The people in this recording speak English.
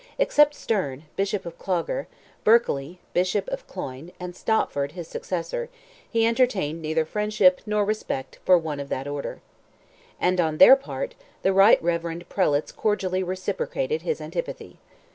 Except Sterne, Bishop of Clogher, Berkely, Bishop of Cloyne, and Stopford, his successor, he entertained neither friendship nor respect for one of that order. And on their part, the right reverend prelates cordially reciprocated his antipathy.